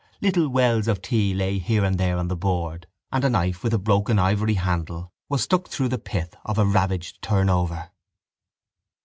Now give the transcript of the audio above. Little wells of tea lay here and there on the board, and a knife with a broken ivory handle was stuck through the pith of a ravaged turnover.